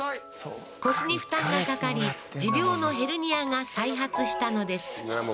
腰に負担がかかり持病のヘルニアが再発したのですいえ